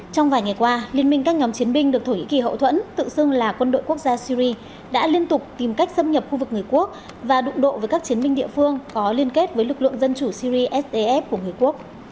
trong vài ngày qua liên minh các nhóm chiến binh được thổ nhĩ kỳ hậu thuẫn tự xưng là quân đội quốc gia syri đã liên tục tìm cách xâm nhập khu vực người quốc và đụng độ với các chiến binh địa phương có liên kết với lực lượng dân chủ syri stf của người quốc